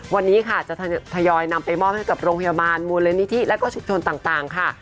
วันนี้ค่ะจะทยอยนำไปมอบให้กับโรงพยาบาลมูลนิธิและก็ชุมชนต่างค่ะ